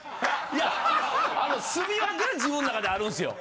いやあの住み分けは自分の中であるんですよ。